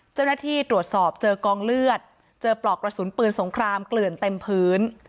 เจ้าหน้าที่ตรวจสอบเจอกองเลือดเจอปลอกกระสุนปืนสงครามเกลื่อนเต็มพื้น